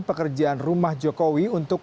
pekerjaan rumah jokowi untuk